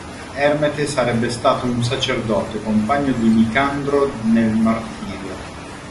Ermete sarebbe stato un sacerdote, compagno di Nicandro nel martirio.